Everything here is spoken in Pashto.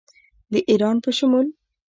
د ایران په شمول